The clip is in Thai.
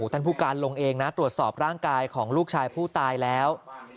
ตัวสอบร่างกายของลูกชายผู้ตายแล้ว